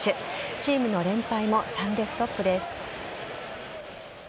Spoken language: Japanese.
チームの連敗も３でストップです。